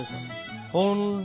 ほんで。